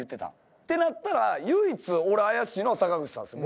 ってなったら唯一俺怪しいのは坂口さんですよ